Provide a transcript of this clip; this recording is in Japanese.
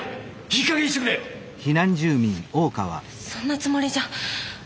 そんなつもりじゃ。